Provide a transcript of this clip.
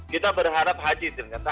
kita berharap haji ternyata